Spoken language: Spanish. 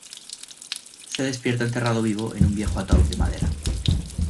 Se despierta enterrado vivo en un viejo ataúd de madera.